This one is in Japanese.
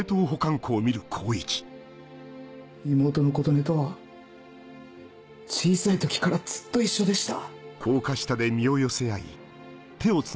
妹の琴音とは小さい時からずっと一緒でした。